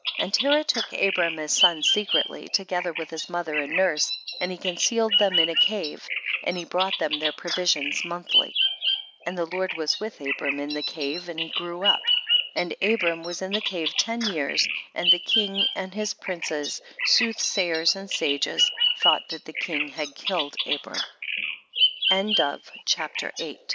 And Terah took Abram his son secretly, together with his mo ther and nurse, and he concealed them in a cave, and he brought them their provisions monthly. 36. And the Lord was with Abram in the cave and he grew up, and Abram was in the cave ten years, and the king and his princes, sooth sayers and s